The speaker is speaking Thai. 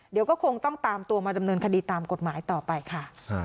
เดี๋ยวก็คงต้องตามตัวมาดำเนินคดีตามกฎหมายต่อไปค่ะ